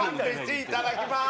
いただきます。